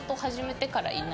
２３からいない。